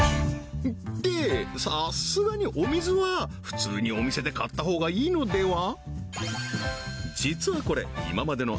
てさすがにお水は普通にお店で買ったほうがいいのでは？